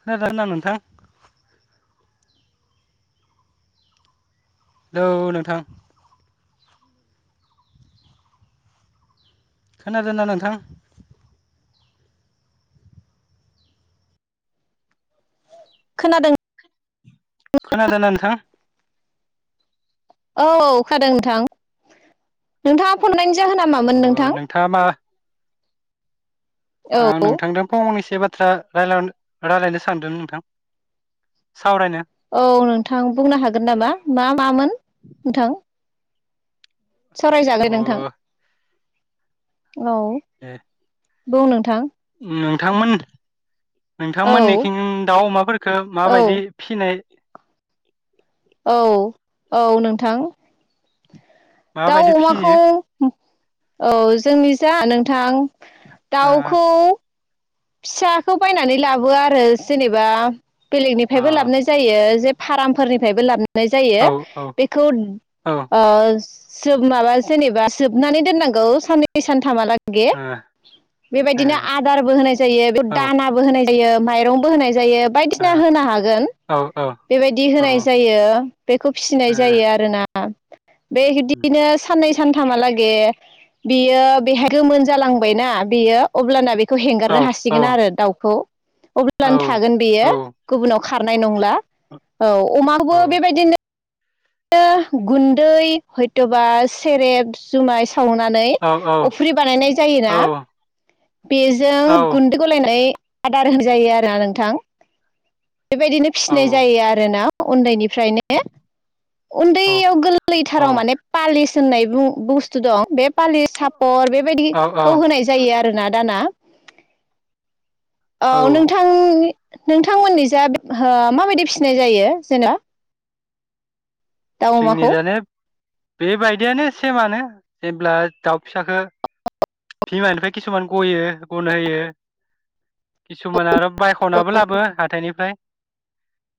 खोनादों ना नोंथां हेलौ नोंथां खोनादोंना नोंथां खोनादों खोनादोंना नोंथां औ खोनादों नोंथां नोंथाङा फन [unintelligible] अ नोंथां नोंथाङा मा औ आं नोंथांदों फंनै सो बाथ्रा रायलाय रायलायनो सानदोंमोन नोंथां सावरायनो औ नोंथां बुंनो हागोन नामा मा मामोन नोंथां अ सावरायजागोन नोंथां औ दे बुं नोंथां नोंथांमोन औ नोंथांमोननिखिं दाउ अमाफोरखौ औ माबायदि फिसिनाय औ औ नोंथां दाउ माबायदि अमाखौ फियो औ जोंनि जा नोंथां ओ दावखौ फिसाखौ बायनानै लाबोआ आरो जेनेबा अ बेलेगनिफ्रायबो लाबनाय जायो जे फारामफोरनिफ्रायबो लाब नाय औ जायो औ बेखौ ओ जोब माबा जेनेबा जोबनानै दोननांगौ साननै सानथाम हाला गै ए बेबायदिनो आदारबो होनाय औ ओ दानाबो होनाय जायो माइरंबो होनाय जायो बायदिसिना होनो हागोन औ औ बेबायदि होनाय अ जायो बेखौ फिसिनाय ए जायो आरोना [unintelligible] बे बिब्दिनो साननै सानथामहालागै बियो बेहाय गोमोन जालांबायना बियो अब्लाना बे खौ औ हेंगारनो हा औ सिगोन आरो दाउ खौ अब्लानो थागोन औ बेयो गुबुनाव खारनाय नंला औ अमाखौबो बेबायदिनो गुन्दै हयथ'बा सेरेब जुमाय सावनानै अफ्रि बानायनाय जायोना बेजों औ गुन्दै गलायनाय आदार होनजायो आरोना नोंथां बेबायदिनो औ फिसिनाय जायो आरो ना उन्दायनि [unintelligible] [inaudible] [unintelligible] फालि औ औ सापर औ औ बेबायदिखौ होनाय जायो आरो फोरोना दाना औ नोंथां नोंथांमोननि जा माबायदि फिसिनाय जायो जेन' जोंनि जानाये बेबायदियानो सेमानो जेब्ला दाउ फिसाखौ बिमानिफ्राय किसुमान गयो गनो होयो किसुमान आरो बायख'नाबो औ लाबो हाथायनिफ्राय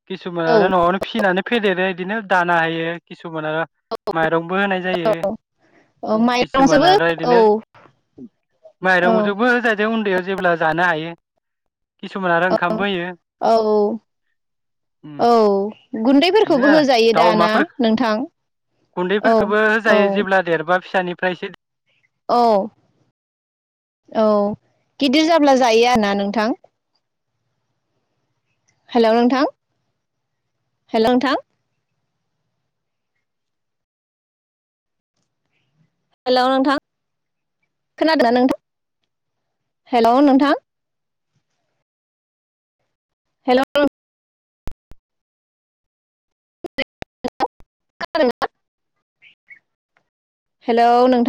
किसुमान आरो औ न'आवनो फिसिनानै फेदेरो बिदिनो दा हायो किसुमान आरो म होनाय जायो किसुमान माइरंजोंबो आरो औ नो औ माइरंजोबो ज उन्दै जेब्ला जानो हायो किसुमान आरो ओंखामबो होयो औ उम, औ बेनो गुन्दैफोरखौबो आरो होजायो दाउ दाना अमाफोर नोंथां औ गुन्दैफोरखौबो औ होजायो जेब्ला देर माबा फिसानिफ्रायससे औ औ गिदिर जाब्ला जायो आरोना नोंथां हेल' नोंथां हेल' नोंथां हेलौ नोंथां खोनादोंना नोंथां हेलौ नोंथां हेलौ खोनादोंना हेलौ नोंथां